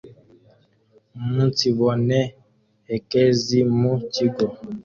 umunsibone ekezi mu Kigo